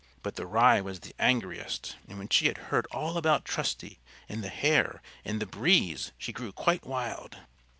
But the Rye was the angriest, and when she had heard all about Trusty and the Hare and the Breeze she grew quite wild.